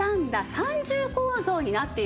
３重構造になっているんです。